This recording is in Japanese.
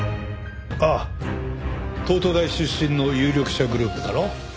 ああ東都大出身の有力者グループだろ？